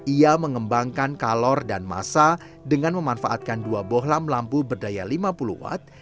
ia mengembangkan kalor dan masa dengan memanfaatkan dua bohlam lampu berdaya lima puluh watt